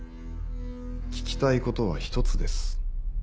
聞きたいことは１つです。